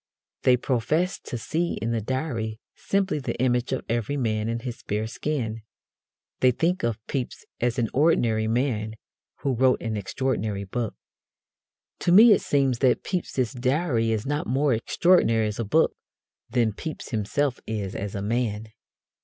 They profess to see in the Diary simply the image of Everyman in his bare skin. They think of Pepys as an ordinary man who wrote an extraordinary book. To me it seems that Pepys's Diary is not more extraordinary as a book than Pepys himself is as a man.